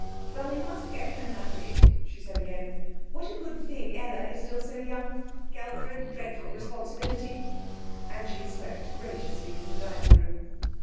'Well, we must get her married,' she said again. 'What a good thing Ella is still so young! Girls are a dreadful responsibility,' and she swept graciously from the dining room.